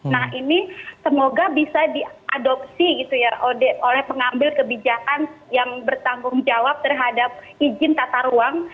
nah ini semoga bisa diadopsi gitu ya oleh pengambil kebijakan yang bertanggung jawab terhadap izin tata ruang